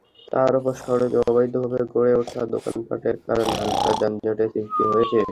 তার ওপর সড়কে অবৈধভাবে গড়ে ওঠা দোকানপাটের কারণে হালকা যানজটের সৃষ্টি হয়েছে।